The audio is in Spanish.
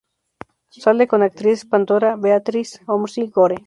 Sale con la actriz Pandora Beatrice Ormsby-Gore.